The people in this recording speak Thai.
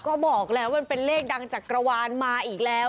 ก็บอกแล้วมันเป็นเลขดังจักรวาลมาอีกแล้ว